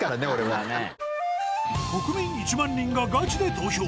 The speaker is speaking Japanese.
国民１万人がガチで投票！